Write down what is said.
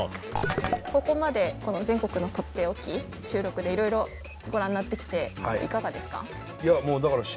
ここまで全国のとっておき収録でいろいろご覧になってきていかがですか？